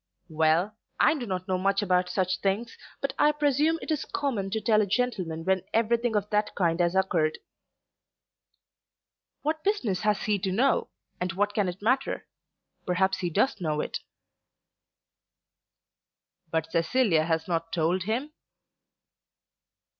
"Well; I do not know much about such things, but I presume it is common to tell a gentleman when anything of that kind has occurred." "What business has he to know? And what can it matter? Perhaps he does know it." "But Cecilia has not told him?"